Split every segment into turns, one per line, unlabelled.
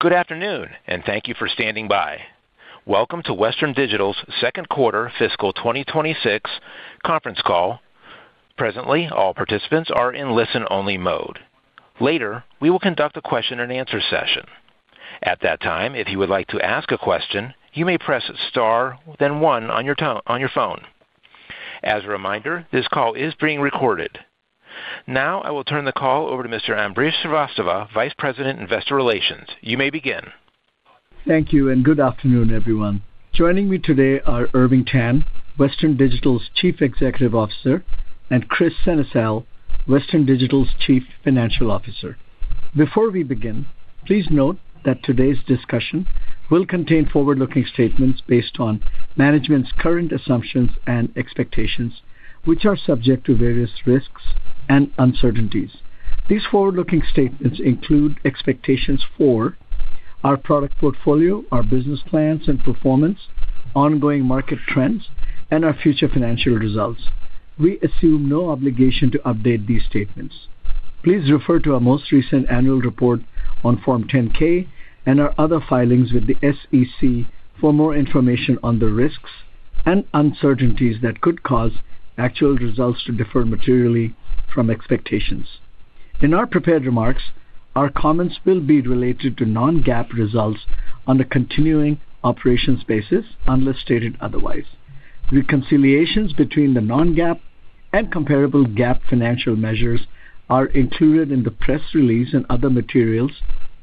Good afternoon, and thank you for standing by. Welcome to Western Digital's second quarter fiscal 2026 conference call. Presently, all participants are in listen-only mode. Later, we will conduct a question-and-answer session. At that time, if you would like to ask a question, you may press star then one on your phone. As a reminder, this call is being recorded. Now, I will turn the call over to Mr. Ambrish Srivastava, Vice President, Investor Relations. You may begin.
Thank you, and good afternoon, everyone. Joining me today are Irving Tan, Western Digital's Chief Executive Officer, and Kris Sennesael, Western Digital's Chief Financial Officer. Before we begin, please note that today's discussion will contain forward-looking statements based on management's current assumptions and expectations, which are subject to various risks and uncertainties. These forward-looking statements include expectations for our product portfolio, our business plans and performance, ongoing market trends, and our future financial results. We assume no obligation to update these statements. Please refer to our most recent annual report on Form 10-K and our other filings with the SEC for more information on the risks and uncertainties that could cause actual results to differ materially from expectations. In our prepared remarks, our comments will be related to non-GAAP results on a continuing operations basis unless stated otherwise. Reconciliations between the non-GAAP and comparable GAAP financial measures are included in the press release and other materials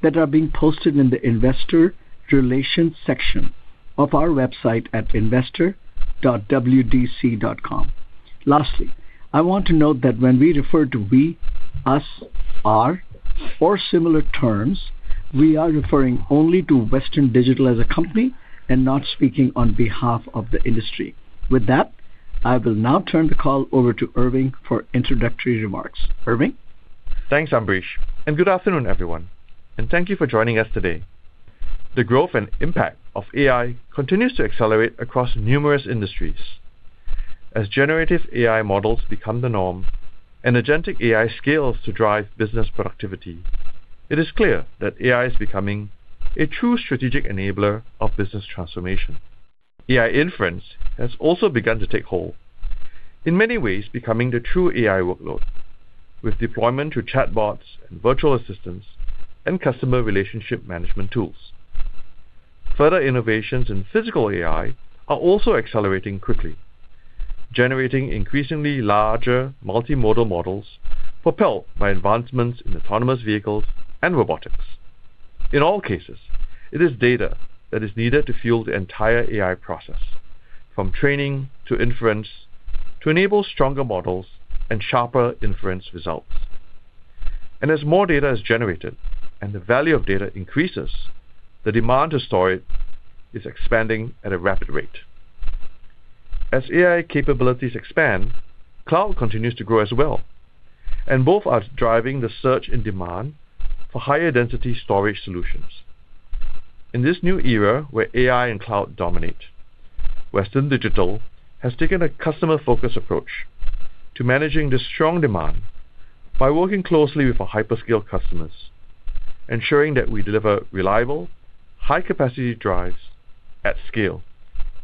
that are being posted in the Investor Relations section of our website at investor.wdc.com. Lastly, I want to note that when we refer to we, us, or similar terms, we are referring only to Western Digital as a company and not speaking on behalf of the industry. With that, I will now turn the call over to Irving for introductory remarks. Irving?
Thanks, Ambrish, and good afternoon, everyone. And thank you for joining us today. The growth and impact of AI continues to accelerate across numerous industries. As generative AI models become the norm and agentic AI scales to drive business productivity, it is clear that AI is becoming a true strategic enabler of business transformation. AI inference has also begun to take hold, in many ways becoming the true AI workload, with deployment to chatbots and virtual assistants and customer relationship management tools. Further innovations in physical AI are also accelerating quickly, generating increasingly larger multimodal models propelled by advancements in autonomous vehicles and robotics. In all cases, it is data that is needed to fuel the entire AI process, from training to inference, to enable stronger models and sharper inference results. As more data is generated and the value of data increases, the demand to store it is expanding at a rapid rate. As AI capabilities expand, cloud continues to grow as well, and both are driving the search and demand for higher density storage solutions. In this new era where AI and cloud dominate, Western Digital has taken a customer-focused approach to managing this strong demand by working closely with our hyperscale customers, ensuring that we deliver reliable, high-capacity drives at scale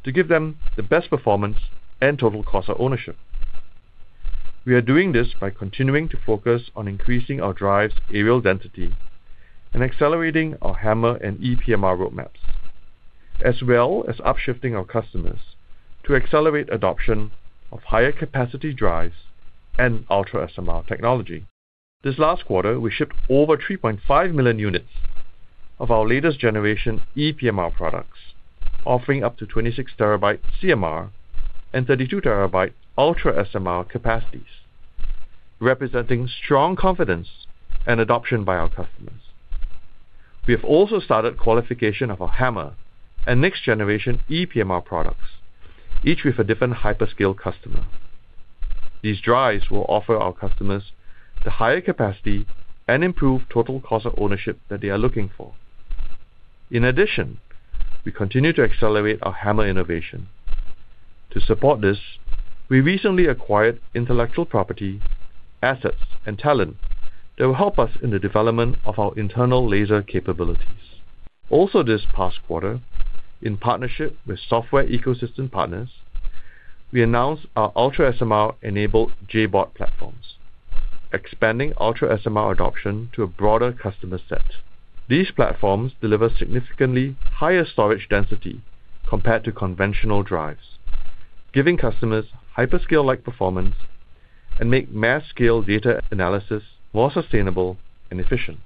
to give them the best performance and total cost of ownership. We are doing this by continuing to focus on increasing our drives' areal density and accelerating our HAMR and ePMR roadmaps, as well as upshifting our customers to accelerate adoption of higher capacity drives and UltraSMR technology. This last quarter, we shipped over 3.5 million units of our latest generation ePMR products, offering up to 26 TB CMR and 32 TB UltraSMR capacities, representing strong confidence and adoption by our customers. We have also started qualification of our HAMR and next-generation ePMR products, each with a different hyperscale customer. These drives will offer our customers the higher capacity and improved total cost of ownership that they are looking for. In addition, we continue to accelerate our HAMR innovation. To support this, we recently acquired intellectual property, assets, and talent that will help us in the development of our internal laser capabilities. Also, this past quarter, in partnership with software ecosystem partners, we announced our UltraSMR-enabled JBOD platforms, expanding UltraSMR adoption to a broader customer set. These platforms deliver significantly higher storage density compared to conventional drives, giving customers hyperscale-like performance and make mass-scale data analysis more sustainable and efficient.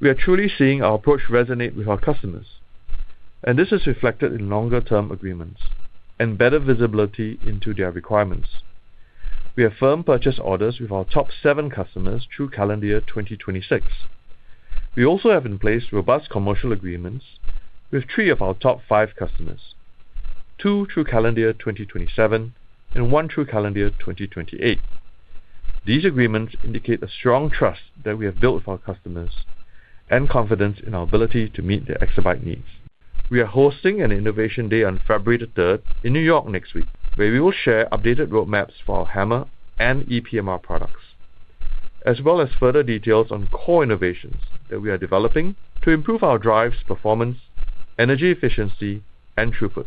We are truly seeing our approach resonate with our customers, and this is reflected in longer-term agreements and better visibility into their requirements. We have firm purchase orders with our top seven customers through calendar year 2026. We also have in place robust commercial agreements with three of our top five customers: two through calendar year 2027 and one through calendar year 2028. These agreements indicate a strong trust that we have built with our customers and confidence in our ability to meet their expedite needs. We are hosting an Innovation Day on February 3rd in New York next week, where we will share updated roadmaps for our HAMR and ePMR products, as well as further details on core innovations that we are developing to improve our drives' performance, energy efficiency, and throughput.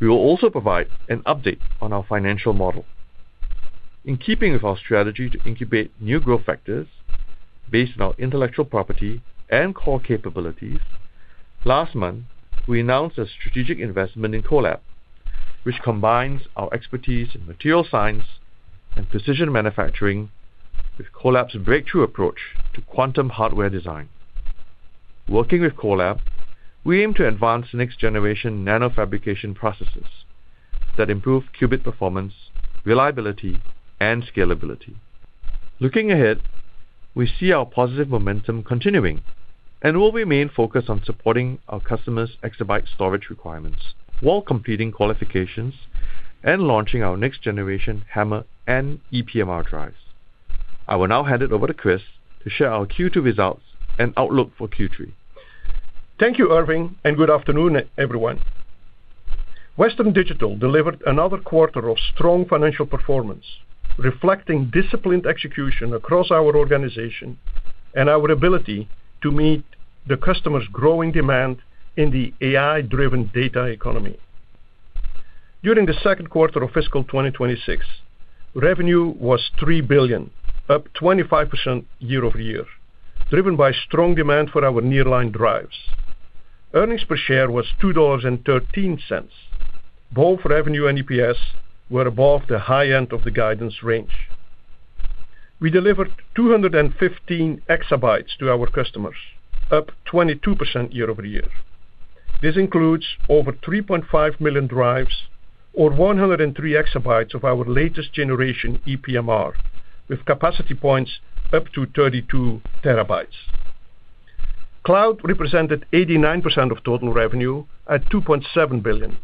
We will also provide an update on our financial model. In keeping with our strategy to incubate new growth factors based on our intellectual property and core capabilities, last month, we announced a strategic investment in Qolab, which combines our expertise in material science and precision manufacturing with Qolab's breakthrough approach to quantum hardware design. Working with Qolab, we aim to advance next-generation nanofabrication processes that improve qubit performance, reliability, and scalability. Looking ahead, we see our positive momentum continuing and will remain focused on supporting our customers' expedite storage requirements while completing qualifications and launching our next-generation HAMR and ePMR drives. I will now hand it over to Kris to share our Q2 results and outlook for Q3.
Thank you, Irving, and good afternoon, everyone. Western Digital delivered another quarter of strong financial performance, reflecting disciplined execution across our organization and our ability to meet the customers' growing demand in the AI-driven data economy. During the second quarter of fiscal 2026, revenue was $3 billion, up 25% year-over-year, driven by strong demand for our Nearline drives. Earnings per share was $2.13. Both revenue and EPS were above the high end of the guidance range. We delivered 215 EB to our customers, up 22% year-over-year. This includes over 3.5 million drives or 103 EB of our latest generation ePMR, with capacity points up to 32 TB. Cloud represented 89% of total revenue at $2.7 billion,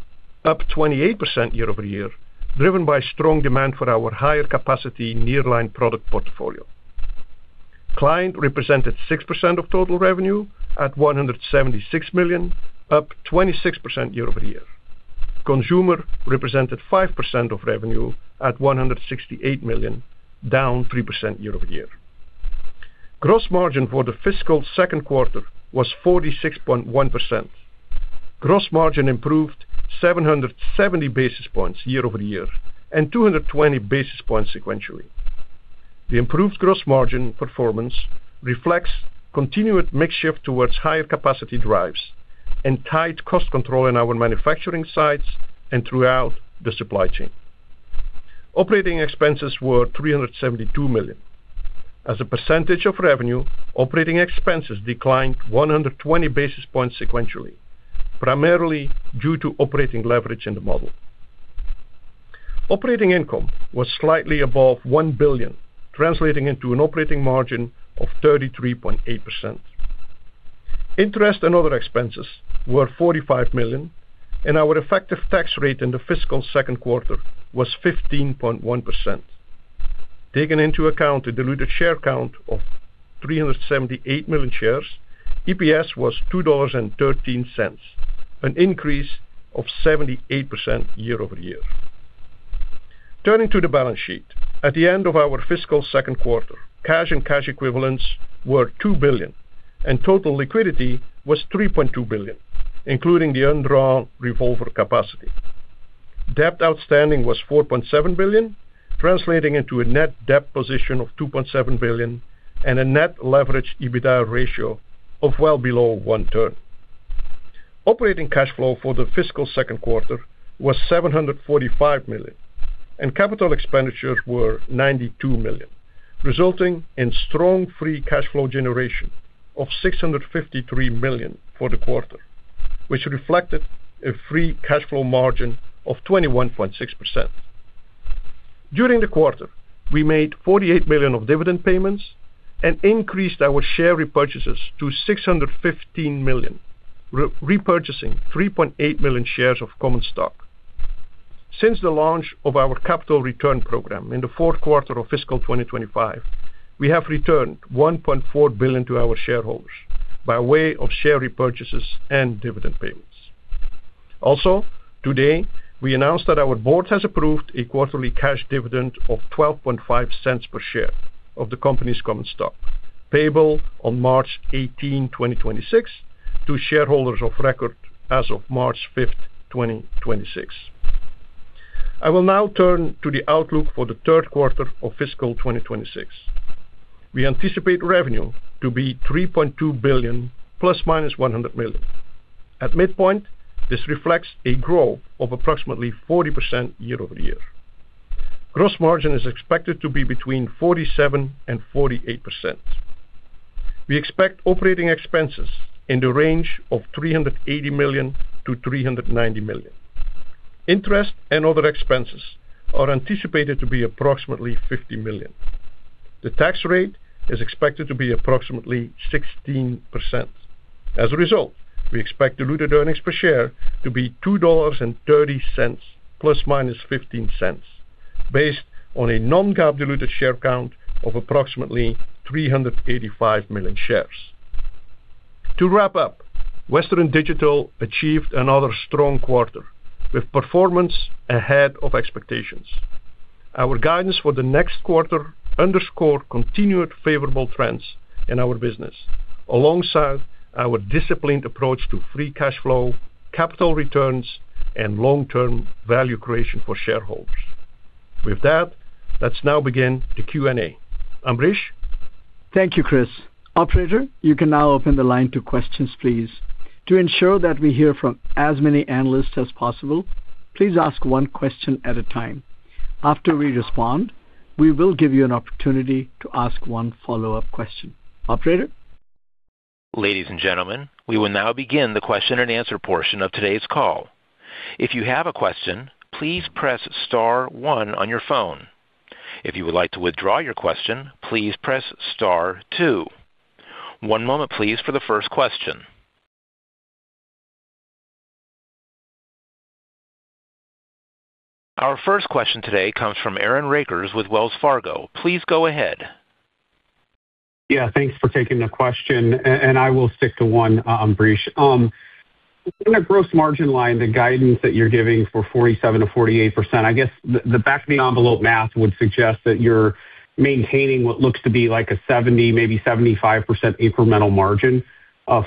up 28% year-over-year, driven by strong demand for our higher capacity Nearline product portfolio. Client represented 6% of total revenue at $176 million, up 26% year-over-year. Consumer represented 5% of revenue at $168 million, down 3% year-over-year. Gross margin for the fiscal second quarter was 46.1%. Gross margin improved 770 basis points year-over-year and 220 basis points sequentially. The improved gross margin performance reflects continued shift towards higher capacity drives and tight cost control in our manufacturing sites and throughout the supply chain. Operating expenses were $372 million. As a percentage of revenue, operating expenses declined 120 basis points sequentially, primarily due to operating leverage in the model. Operating income was slightly above $1 billion, translating into an operating margin of 33.8%. Interest and other expenses were $45 million, and our effective tax rate in the fiscal second quarter was 15.1%. Taken into account the diluted share count of 378 million shares, EPS was $2.13, an increase of 78% year-over-year. Turning to the balance sheet, at the end of our fiscal second quarter, cash and cash equivalents were $2 billion, and total liquidity was $3.2 billion, including the undrawn revolver capacity. Debt outstanding was $4.7 billion, translating into a net debt position of $2.7 billion and a net leveraged EBITDA ratio of well below one-third. Operating cash flow for the fiscal second quarter was $745 million, and capital expenditures were $92 million, resulting in strong free cash flow generation of $653 million for the quarter, which reflected a free cash flow margin of 21.6%. During the quarter, we made $48 million of dividend payments and increased our share repurchases to $615 million, repurchasing 3.8 million shares of common stock. Since the launch of our capital return program in the fourth quarter of fiscal 2025, we have returned $1.4 billion to our shareholders by way of share repurchases and dividend payments. Also, today, we announced that our board has approved a quarterly cash dividend of $12.50 per share of the company's common stock, payable on March 18, 2026, to shareholders of record as of March 5, 2026. I will now turn to the outlook for the third quarter of fiscal 2026. We anticipate revenue to be $3.2 billion, ±$100 million. At midpoint, this reflects a growth of approximately 40% year-over-year. Gross margin is expected to be between 47%-48%. We expect operating expenses in the range of $380 million-$390 million. Interest and other expenses are anticipated to be approximately $50 million. The tax rate is expected to be approximately 16%. As a result, we expect diluted earnings per share to be $2.30 ± $0.15, based on a non-GAAP diluted share count of approximately 385 million shares. To wrap up, Western Digital achieved another strong quarter, with performance ahead of expectations. Our guidance for the next quarter underscored continued favorable trends in our business, alongside our disciplined approach to free cash flow, capital returns, and long-term value creation for shareholders. With that, let's now begin the Q&A. Ambrish?
Thank you, Kris. Operator, you can now open the line to questions, please. To ensure that we hear from as many analysts as possible, please ask one question at a time. After we respond, we will give you an opportunity to ask one follow-up question. Operator?
Ladies and gentlemen, we will now begin the question-and-answer portion of today's call. If you have a question, please press star one on your phone. If you would like to withdraw your question, please press star two. One moment, please, for the first question. Our first question today comes from Aaron Rakers with Wells Fargo. Please go ahead.
Yeah, thanks for taking the question. And I will stick to one, Ambrish. In the gross margin line, the guidance that you're giving for 47%-48%, I guess the back-of-the-envelope math would suggest that you're maintaining what looks to be like a 70%, maybe 75% incremental margin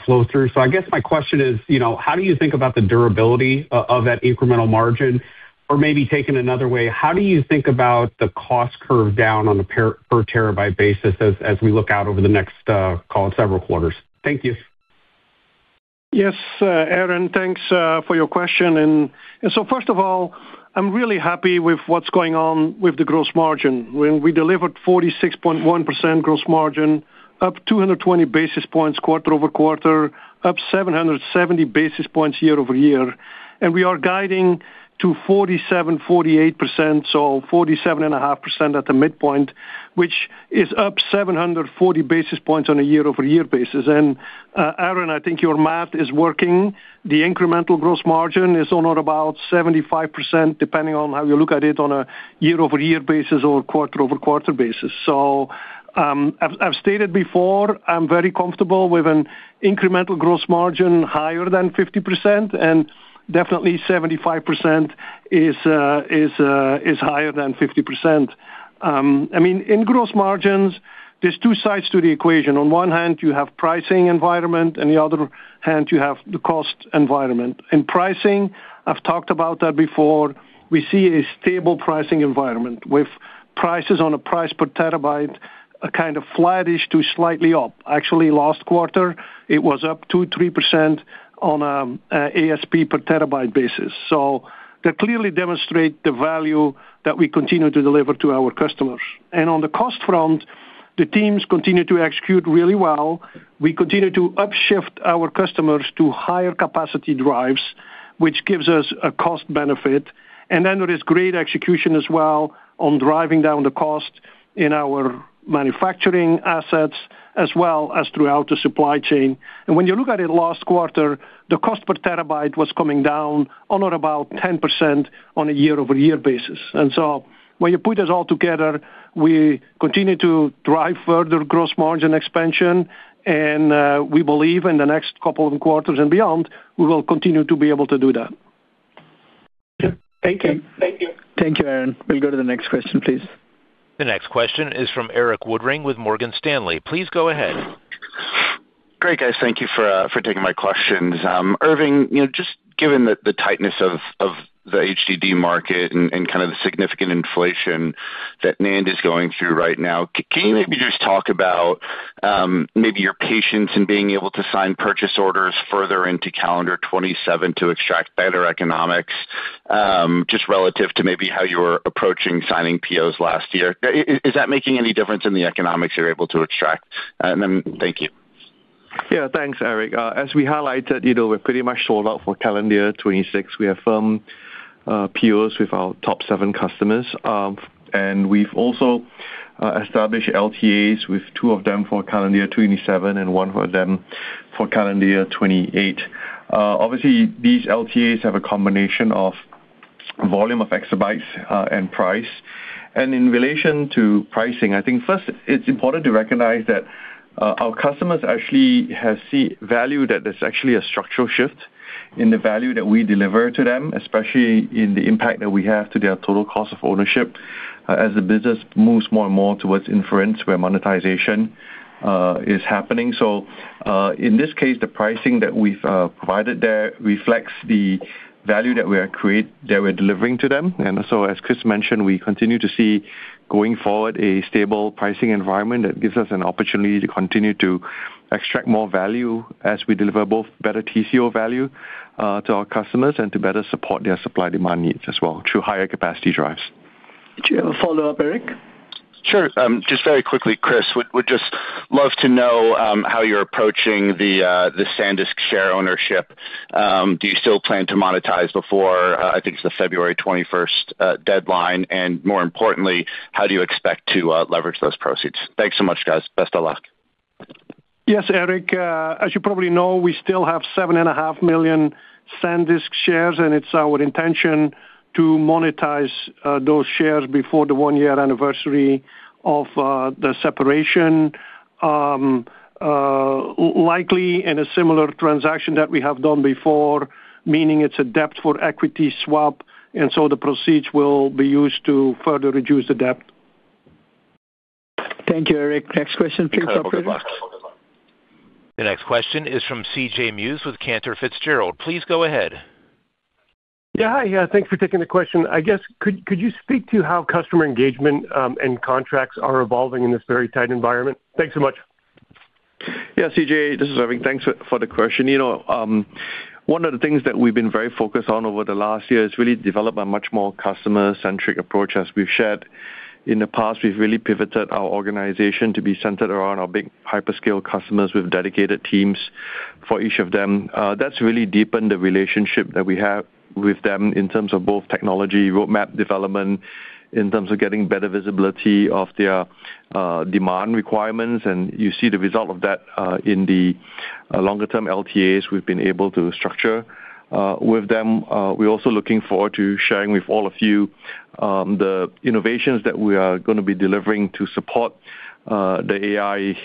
flow-through. So I guess my question is, how do you think about the durability of that incremental margin? Or maybe taken another way, how do you think about the cost curve down on a per-terabyte basis as we look out over the next, call it, several quarters? Thank you.
Yes, Aaron, thanks for your question. So first of all, I'm really happy with what's going on with the gross margin. We delivered 46.1% gross margin, up 220 basis points quarter-over-quarter, up 770 basis points year-over-year. We are guiding to 47%-48%, so 47.5% at the midpoint, which is up 740 basis points on a year-over-year basis. Aaron, I think your math is working. The incremental gross margin is on or about 75%, depending on how you look at it on a year-over-year basis or quarter-over-quarter basis. So I've stated before, I'm very comfortable with an incremental gross margin higher than 50%, and definitely 75% is higher than 50%. I mean, in gross margins, there's two sides to the equation. On one hand, you have pricing environment, and on the other hand, you have the cost environment. In pricing, I've talked about that before. We see a stable pricing environment with prices on a price per terabyte kind of flattish to slightly up. Actually, last quarter, it was up 2%, 3% on an ASP per terabyte basis. So that clearly demonstrates the value that we continue to deliver to our customers. On the cost front, the teams continue to execute really well. We continue to upshift our customers to higher capacity drives, which gives us a cost benefit. Then there is great execution as well on driving down the cost in our manufacturing assets, as well as throughout the supply chain. And when you look at it last quarter, the cost per terabyte was coming down on or about 10% on a year-over-year basis. So when you put this all together, we continue to drive further gross margin expansion. We believe in the next couple of quarters and beyond, we will continue to be able to do that.
Thank you.
Thank you, Aaron. We'll go to the next question, please.
The next question is from Erik Woodring with Morgan Stanley. Please go ahead.
Great, guys. Thank you for taking my questions. Irving, just given the tightness of the HDD market and kind of the significant inflation that NAND is going through right now, can you maybe just talk about maybe your patience in being able to sign purchase orders further into calendar 2027 to extract better economics, just relative to maybe how you were approaching signing POs last year? Is that making any difference in the economics you're able to extract? And then thank you.
Yeah, thanks, Erik. As we highlighted, we're pretty much sold out for calendar 2026. We have firm POs with our top seven customers. And we've also established LTAs with two of them for calendar 2027 and one of them for calendar 2028. Obviously, these LTAs have a combination of volume of exabytes and price. And in relation to pricing, I think first, it's important to recognize that our customers actually have seen value that there's actually a structural shift in the value that we deliver to them, especially in the impact that we have to their total cost of ownership as the business moves more and more towards inference where monetization is happening. So in this case, the pricing that we've provided there reflects the value that we are delivering to them. As Kris mentioned, we continue to see going forward a stable pricing environment that gives us an opportunity to continue to extract more value as we deliver both better TCO value to our customers and to better support their supply demand needs as well through higher capacity drives.
Did you have a follow-up, Erik?
Sure. Just very quickly, Kris, we'd just love to know how you're approaching the SanDisk share ownership. Do you still plan to monetize before I think it's the February 21st deadline? And more importantly, how do you expect to leverage those proceeds? Thanks so much, guys. Best of luck.
Yes, Erik. As you probably know, we still have 7.5 million SanDisk shares, and it's our intention to monetize those shares before the one-year anniversary of the separation, likely in a similar transaction that we have done before, meaning it's a debt for equity swap. And so the proceeds will be used to further reduce the debt.
Thank you, Erik. Next question, please.
The next question is from CJ Muse with Cantor Fitzgerald. Please go ahead.
Yeah, hi. Yeah, thanks for taking the question. I guess, could you speak to how customer engagement and contracts are evolving in this very tight environment? Thanks so much.
Yeah, CJ, this is Irving. Thanks for the question. One of the things that we've been very focused on over the last year is really developing a much more customer-centric approach. As we've shared in the past, we've really pivoted our organization to be centered around our big hyperscale customers with dedicated teams for each of them. That's really deepened the relationship that we have with them in terms of both technology roadmap development, in terms of getting better visibility of their demand requirements. And you see the result of that in the longer-term LTAs we've been able to structure with them. We're also looking forward to sharing with all of you the innovations that we are going to be delivering to support the AI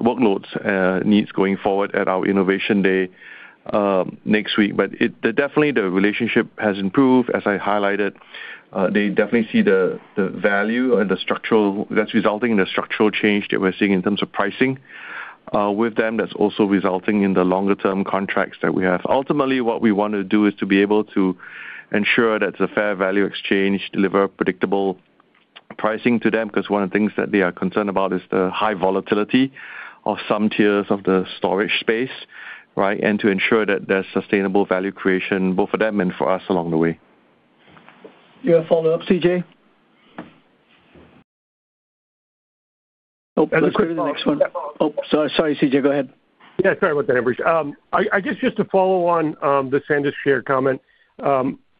workloads needs going forward at our Innovation Day next week. But definitely, the relationship has improved. As I highlighted, they definitely see the value and the structural that's resulting in the structural change that we're seeing in terms of pricing with them. That's also resulting in the longer-term contracts that we have. Ultimately, what we want to do is to be able to ensure that it's a fair value exchange, deliver predictable pricing to them, because one of the things that they are concerned about is the high volatility of some tiers of the storage space, right? And to ensure that there's sustainable value creation both for them and for us along the way.
You have a follow-up, CJ? Oh, sorry, CJ, go ahead.
Yeah, sorry about that, Ambrish. I guess just to follow on the SanDisk share comment,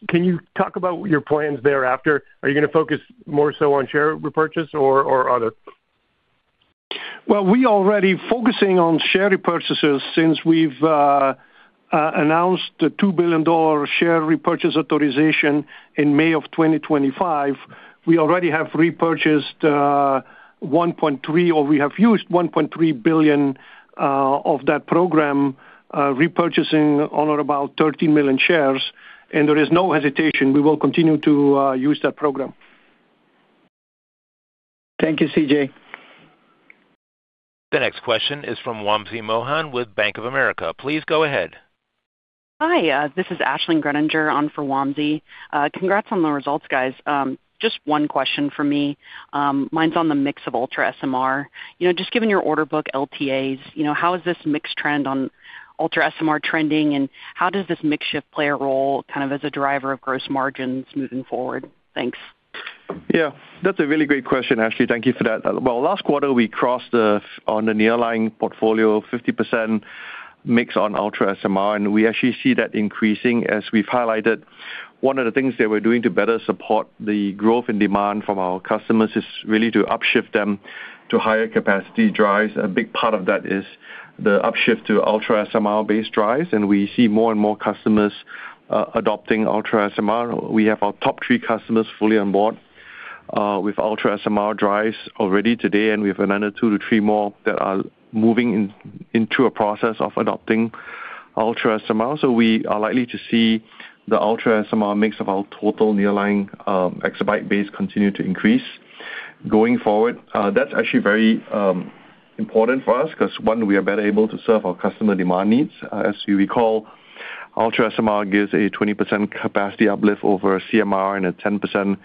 can you talk about your plans thereafter? Are you going to focus more so on share repurchase or other?
Well, we are already focusing on share repurchases since we've announced the $2 billion share repurchase authorization in May of 2025. We already have repurchased $1.3 billion, or we have used $1.3 billion of that program, repurchasing on or about 13 million shares. There is no hesitation. We will continue to use that program.
Thank you, CJ.
The next question is from Wamsi Mohan with Bank of America. Please go ahead.
Hi, this is Ashley Greninger, on for Wamsi. Congrats on the results, guys. Just one question for me. Mine's on the mix of UltraSMR. Just given your order book LTAs, how is this mix trend on UltraSMR trending, and how does this mix shift play a role kind of as a driver of gross margins moving forward? Thanks.
Yeah, that's a really great question, Ashley. Thank you for that. Well, last quarter, we crossed an entire portfolio of 50% mix on UltraSMR, and we actually see that increasing, as we've highlighted. One of the things that we're doing to better support the growth in demand from our customers is really to upshift them to higher capacity drives. A big part of that is the upshift to UltraSMR-based drives, and we see more and more customers adopting UltraSMR. We have our top three customers fully on board with UltraSMR drives already today, and we have another two to three more that are moving into a process of adopting UltraSMR. So we are likely to see the UltraSMR mix of our total Nearline exabyte base continue to increase going forward. That's actually very important for us because, one, we are better able to serve our customer demand needs. As you recall, UltraSMR gives a 20% capacity uplift over CMR and a 10%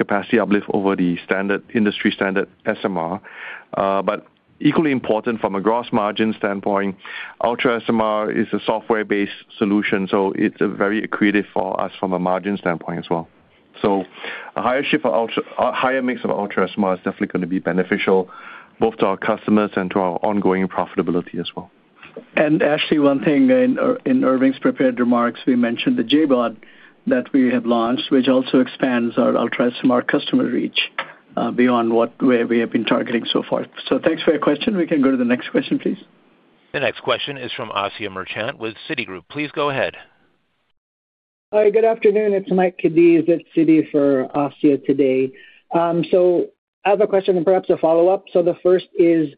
capacity uplift over the industry-standard SMR. But equally important from a gross margin standpoint, UltraSMR is a software-based solution, so it's very creative for us from a margin standpoint as well. So a higher mix of UltraSMR is definitely going to be beneficial both to our customers and to our ongoing profitability as well.
And Ashley, one thing in Irving's prepared remarks, we mentioned the JBOD that we have launched, which also expands our UltraSMR customer reach beyond what we have been targeting so far. So thanks for your question. We can go to the next question, please.
The next question is from Asiya Merchant with Citigroup. Please go ahead.
Hi, good afternoon. It's Mike Cadiz at Citi for Asiya today. So I have a question and perhaps a follow-up. The first is,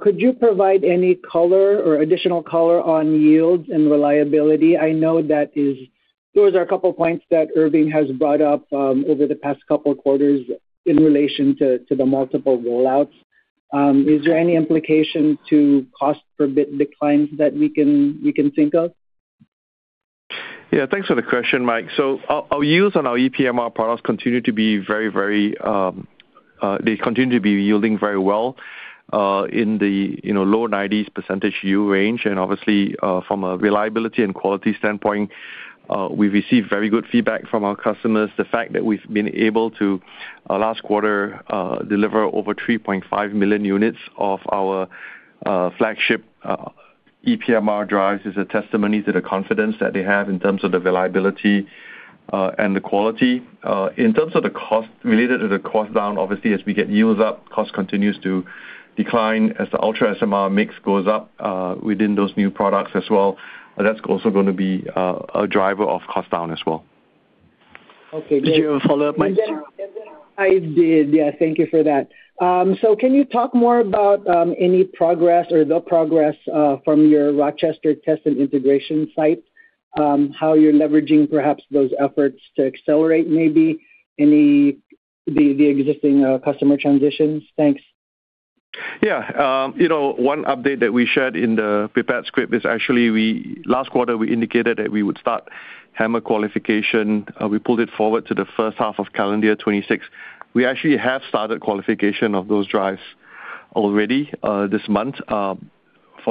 could you provide any color or additional color on yields and reliability? I know that there are a couple of points that Irving has brought up over the past couple of quarters in relation to the multiple rollouts. Is there any implication to cost per bit declines that we can think of?
Yeah, thanks for the question, Mike. So our yields on our ePMR products continue to be very, very—they continue to be yielding very well in the low 90s% yield range. And obviously, from a reliability and quality standpoint, we've received very good feedback from our customers. The fact that we've been able to, last quarter, deliver over 3.5 million units of our flagship ePMR drives is a testimony to the confidence that they have in terms of the reliability and the quality. In terms of the cost, related to the cost down, obviously, as we get yields up, cost continues to decline as the UltraSMR mix goes up within those new products as well. That's also going to be a driver of cost down as well.
Okay.
Did you have a follow-up, Mike?
Yeah, thank you for that. So can you talk more about any progress or the progress from your Rochester test and integration site, how you're leveraging perhaps those efforts to accelerate maybe the existing customer transitions? Thanks.
Yeah. One update that we shared in the prepared script is actually last quarter, we indicated that we would start HAMR qualification. We pulled it forward to the first half of calendar 2026. We actually have started qualification of those drives already this month for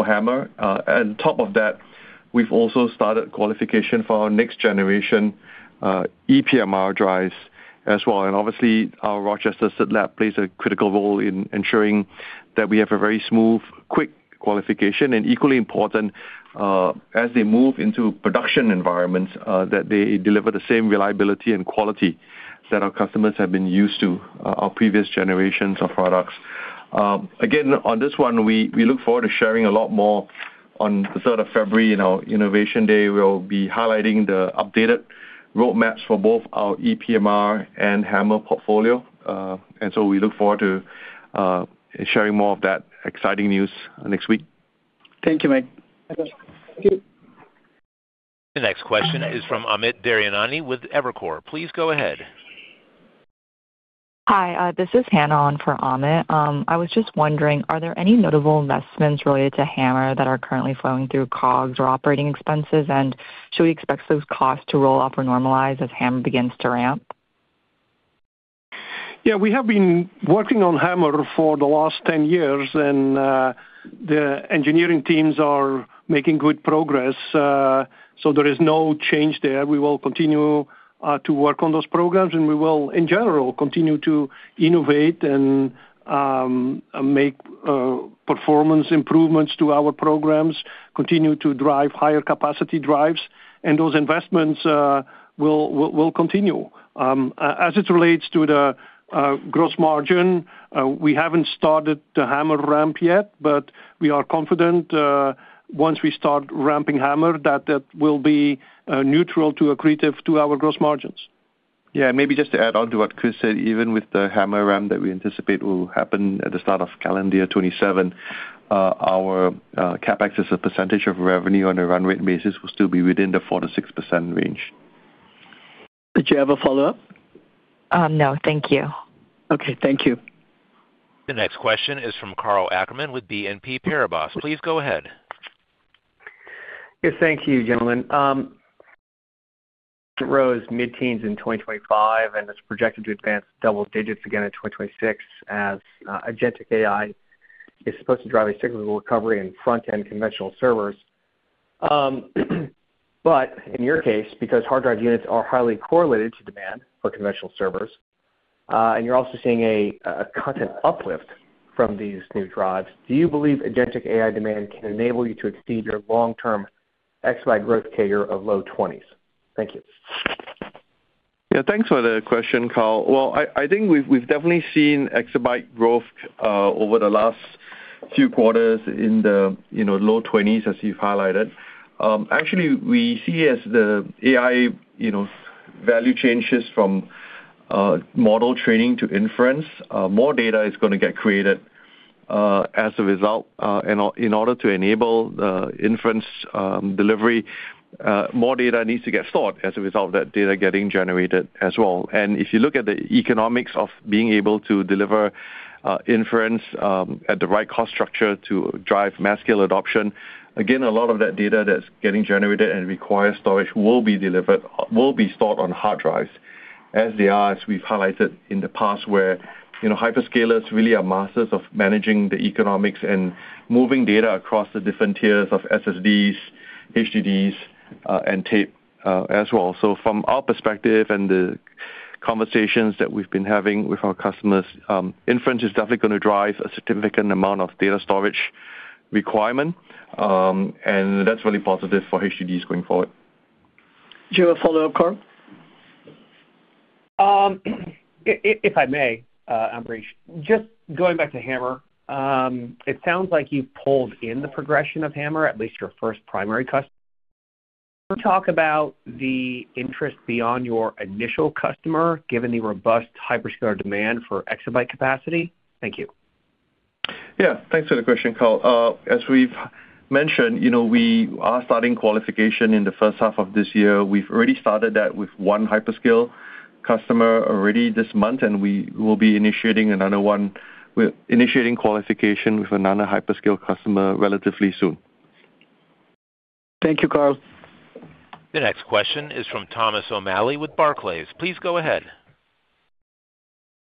HAMR. On top of that, we've also started qualification for our next generation ePMR drives as well. And obviously, our Rochester SIT lab plays a critical role in ensuring that we have a very smooth, quick qualification. And equally important, as they move into production environments, that they deliver the same reliability and quality that our customers have been used to our previous generations of products. Again, on this one, we look forward to sharing a lot more on the 3rd of February in our Innovation Day. We'll be highlighting the updated roadmaps for both our ePMR and HAMR portfolio. And so we look forward to sharing more of that exciting news next week.
Thank you, Mike.
Thank you.
The next question is from Amit Daryanani with Evercore. Please go ahead.
Hi, this is Hannah on for Amit. I was just wondering, are there any notable investments related to HAMR that are currently flowing through COGS or operating expenses? Should we expect those costs to roll off or normalize as HAMR begins to ramp?
Yeah, we have been working on HAMR for the last 10 years, and the engineering teams are making good progress. So there is no change there. We will continue to work on those programs, and we will, in general, continue to innovate and make performance improvements to our programs, continue to drive higher capacity drives. And those investments will continue. As it relates to the gross margin, we haven't started the HAMR ramp yet, but we are confident once we start ramping HAMR that that will be neutral to accretive to our gross margins.
Yeah, maybe just to add on to what Kris said, even with the HAMR ramp that we anticipate will happen at the start of calendar 2027, our CapEx as a percentage of revenue on a run rate basis will still be within the 4%-6% range.
Did you have a follow-up?
No, thank you.
Okay, thank you.
The next question is from Karl Ackerman with BNP Paribas. Please go ahead.
Yes, thank you, gentlemen. rose mid-teens in 2025, and it's projected to advance double digits again in 2026 as agentic AI is supposed to drive a cyclical recovery in front-end conventional servers. But in your case, because hard drive units are highly correlated to demand for conventional servers, and you're also seeing a content uplift from these new drives, do you believe agentic AI demand can enable you to exceed your long-term exabyte growth target of low 20s? Thank you.
Yeah, thanks for the question, Karl. Well, I think we've definitely seen exabyte growth over the last few quarters in the low 20s, as you've highlighted. Actually, we see as the AI value changes from model training to inference, more data is going to get created as a result. And in order to enable the inference delivery, more data needs to get stored as a result of that data getting generated as well. And if you look at the economics of being able to deliver inference at the right cost structure to drive mass scale adoption, again, a lot of that data that's getting generated and requires storage will be delivered, will be stored on hard drives as they are, as we've highlighted in the past, where hyperscalers really are masters of managing the economics and moving data across the different tiers of SSDs, HDDs, and tape as well. From our perspective and the conversations that we've been having with our customers, inference is definitely going to drive a significant amount of data storage requirement. That's really positive for HDDs going forward.
Do you have a follow-up, Karl?
If I may, Ambrish? Just going back to HAMR, it sounds like you've pulled in the progression of HAMR, at least your first primary customer. Can you talk about the interest beyond your initial customer, given the robust hyperscaler demand for exabyte capacity? Thank you.
Yeah, thanks for the question, Karl. As we've mentioned, we are starting qualification in the first half of this year. We've already started that with one hyperscale customer already this month, and we will be initiating another one with qualification with another hyperscale customer relatively soon.
Thank you, Karl.
The next question is from Thomas O'Malley with Barclays. Please go ahead.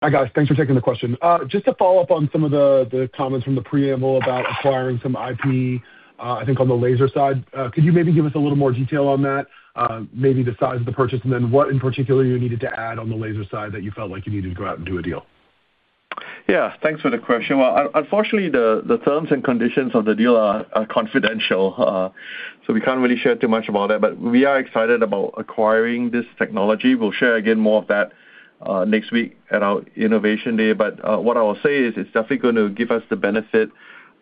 Hi, guys. Thanks for taking the question. Just to follow-up on some of the comments from the preamble about acquiring some IP, I think on the laser side, could you maybe give us a little more detail on that, maybe the size of the purchase, and then what in particular you needed to add on the laser side that you felt like you needed to go out and do a deal?
Yeah, thanks for the question. Well, unfortunately, the terms and conditions of the deal are confidential, so we can't really share too much about it. But we are excited about acquiring this technology. We'll share again more of that next week at our Innovation Day. But what I will say is it's definitely going to give us the benefit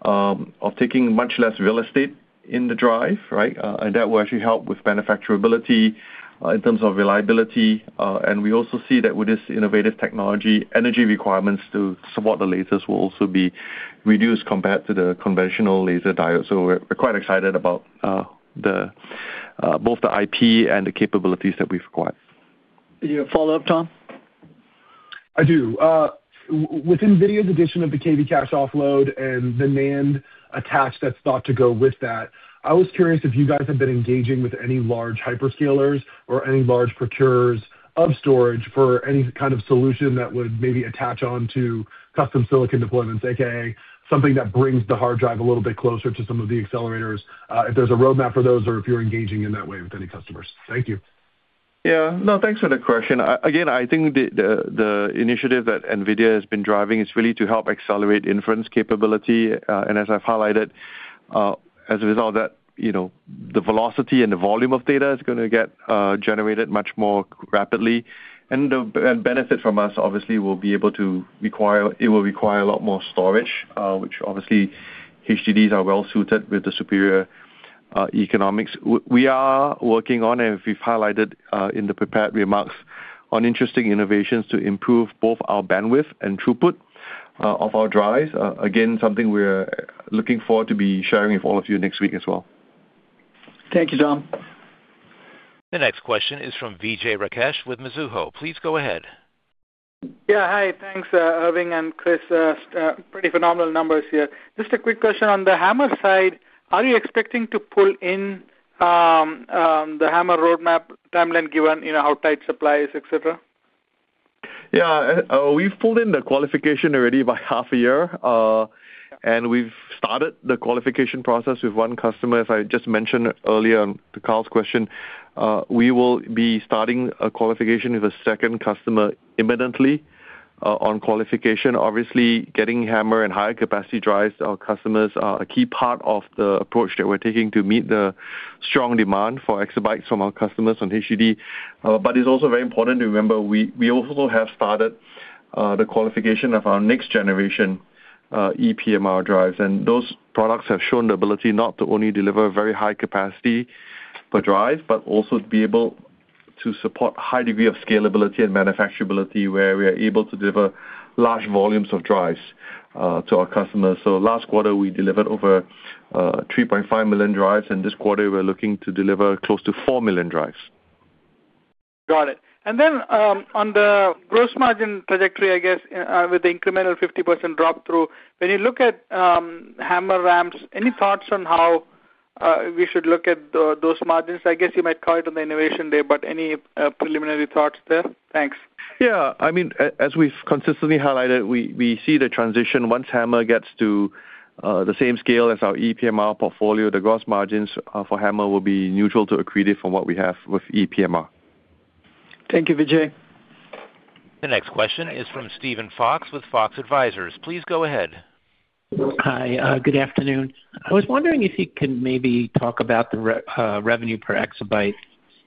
of taking much less real estate in the drive, right? And that will actually help with manufacturability in terms of reliability. And we also see that with this innovative technology, energy requirements to support the lasers will also be reduced compared to the conventional laser diodes. So we're quite excited about both the IP and the capabilities that we've acquired.
Do you have a follow-up, Tom?
I do. Within NVIDIA's addition of the KV cache offload and the NAND attached that's thought to go with that, I was curious if you guys have been engaging with any large hyperscalers or any large procurers of storage for any kind of solution that would maybe attach on to custom silicon deployments, a.k.a. something that brings the hard drive a little bit closer to some of the accelerators, if there's a roadmap for those or if you're engaging in that way with any customers? Thank you.
Yeah, no, thanks for the question. Again, I think the initiative that NVIDIA has been driving is really to help accelerate inference capability. And as I've highlighted, as a result of that, the velocity and the volume of data is going to get generated much more rapidly. And the benefit from us, obviously, will be able to require it will require a lot more storage, which obviously HDDs are well suited with the superior economics. We are working on, and we've highlighted in the prepared remarks, on interesting innovations to improve both our bandwidth and throughput of our drives. Again, something we're looking forward to be sharing with all of you next week as well.
Thank you, Tom.
The next question is from Vijay Rakesh with Mizuho. Please go ahead.
Yeah, hi, thanks, Irving and Kris. Pretty phenomenal numbers here. Just a quick question on the HAMR side. Are you expecting to pull in the HAMR roadmap timeline given how tight supply is, etc.?
Yeah, we've pulled in the qualification already by half a year. We've started the qualification process with one customer. As I just mentioned earlier on Karl's question, we will be starting a qualification with a second customer imminently on qualification. Obviously, getting HAMR and higher capacity drives to our customers are a key part of the approach that we're taking to meet the strong demand for exabytes from our customers on HDD. But it's also very important to remember we also have started the qualification of our next generation ePMR drives. Those products have shown the ability not to only deliver very high capacity per drive, but also to be able to support a high degree of scalability and manufacturability where we are able to deliver large volumes of drives to our customers. So last quarter, we delivered over 3.5 million drives. This quarter, we're looking to deliver close to 4 million drives.
Got it. And then on the gross margin trajectory, I guess, with the incremental 50% drop through, when you look at HAMR ramps, any thoughts on how we should look at those margins? I guess you might call it on the Innovation Day, but any preliminary thoughts there? Thanks.
Yeah, I mean, as we've consistently highlighted, we see the transition once HAMR gets to the same scale as our ePMR portfolio, the gross margins for HAMR will be neutral to accretive from what we have with ePMR.
Thank you, Vijay.
The next question is from Steven Fox with Fox Advisors. Please go ahead.
Hi, good afternoon. I was wondering if you can maybe talk about the revenue per exabyte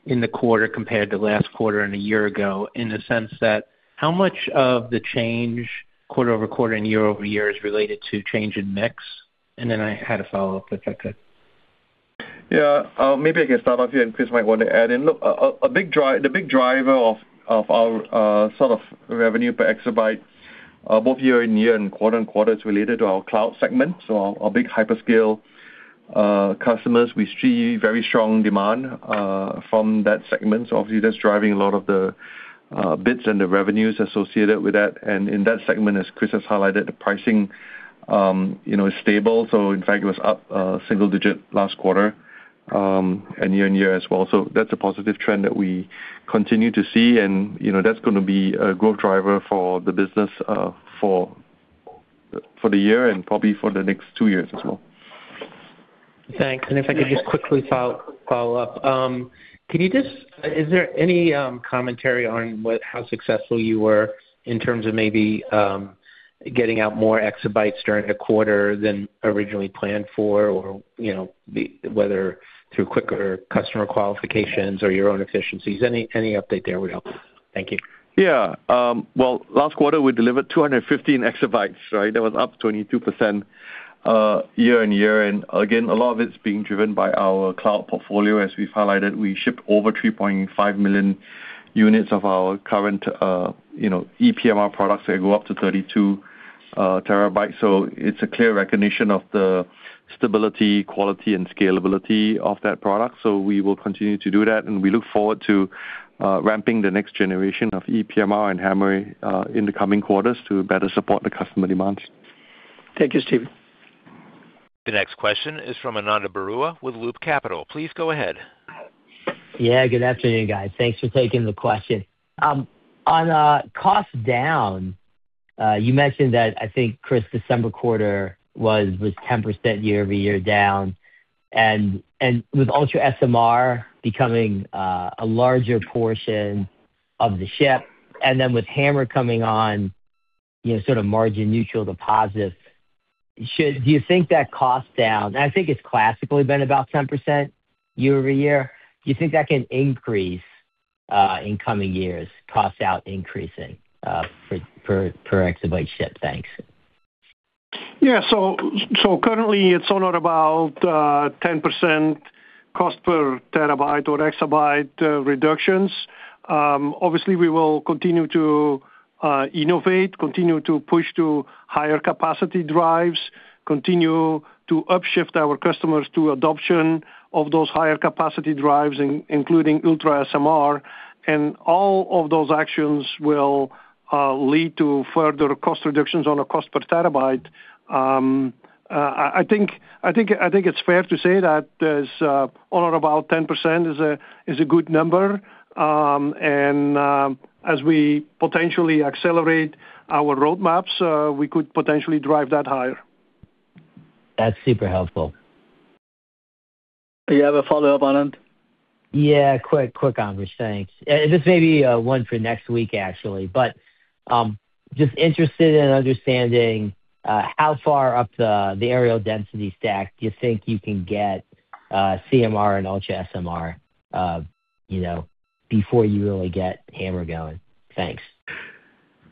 in the quarter compared to last quarter and a year ago in the sense that how much of the change quarter over quarter and year-over-year is related to change in mix? And then I had a follow-up if I could?
Yeah, maybe I can start off here, and Kris might want to add in. Look, the big driver of our sort of revenue per exabyte, both year-over-year and quarter-over-quarter, is related to our cloud segment. So our big hyperscale customers, we see very strong demand from that segment. So obviously, that's driving a lot of the bids and the revenues associated with that. And in that segment, as Kris has highlighted, the pricing is stable. So in fact, it was up single-digit last quarter and year-over-year as well. So that's a positive trend that we continue to see. And that's going to be a growth driver for the business for the year and probably for the next two years as well.
Thanks. And if I could just quickly follow-up, can you just, is there any commentary on how successful you were in terms of maybe getting out more exabytes during a quarter than originally planned for, or whether through quicker customer qualifications or your own efficiencies? Any update there would help. Thank you.
Yeah. Well, last quarter, we delivered 215 EB, right? That was up 22% year-on-year. And again, a lot of it's being driven by our cloud portfolio. As we've highlighted, we shipped over 3.5 million units of our current ePMR products that go up to 32 TB. So it's a clear recognition of the stability, quality, and scalability of that product. So we will continue to do that. And we look forward to ramping the next generation of ePMR and HAMR in the coming quarters to better support the customer demands.
Thank you, Steve.
The next question is from Ananda Baruah with Loop Capital. Please go ahead.
Yeah, good afternoon, guys. Thanks for taking the question. On cost down, you mentioned that, I think, Kris, December quarter was 10% year-over-year down. And with UltraSMR becoming a larger portion of the ship, and then with HAMR coming on, sort of margin neutral deposits, do you think that cost down? And I think it's classically been about 10% year-over-year. Do you think that can increase in coming years, cost out increasing per exabyte ship? Thanks.
Yeah. So currently, it's only about 10% cost per terabyte or exabyte reductions. Obviously, we will continue to innovate, continue to push to higher capacity drives, continue to upshift our customers to adoption of those higher capacity drives, including UltraSMR. And all of those actions will lead to further cost reductions on a cost per terabyte. I think it's fair to say that there's only about 10% is a good number. And as we potentially accelerate our roadmaps, we could potentially drive that higher.
That's super helpful.
Do you have a follow-up, Ananda?
Yeah, quick, Ambrish. Thanks. This may be one for next week, actually. But just interested in understanding how far up the areal density stack do you think you can get CMR and UltraSMR before you really get HAMR going? Thanks.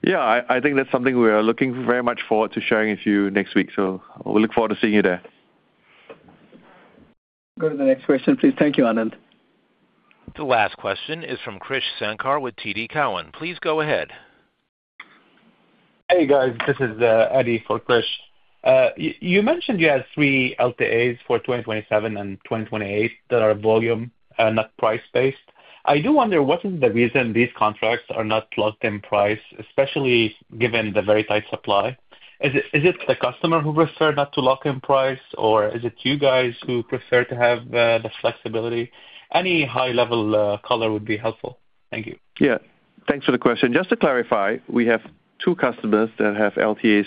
Yeah, I think that's something we are looking very much forward to sharing with you next week. So we look forward to seeing you there.
Go to the next question, please. Thank you, Ananda.
The last question is from Krish Sankar with TD Cowen. Please go ahead.
Hey, guys. This is Eddy for Kris. You mentioned you had 3 LTAs for 2027 and 2028 that are volume, not price-based. I do wonder what is the reason these contracts are not locked in price, especially given the very tight supply? Is it the customer who prefers not to lock in price, or is it you guys who prefer to have the flexibility? Any high-level color would be helpful. Thank you.
Yeah. Thanks for the question. Just to clarify, we have two customers that have LTAs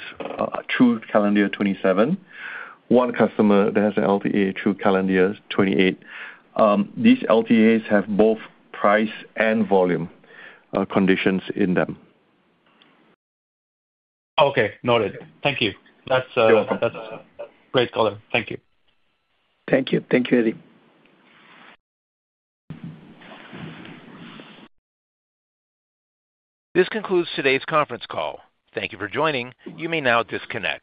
through calendar year 2027, one customer that has an LTA through calendar year 2028. These LTAs have both price and volume conditions in them.
Okay, noted. Thank you. That's a great color. Thank you.
Thank you. Thank you, Eddy.
This concludes today's conference call. Thank you for joining. You may now disconnect.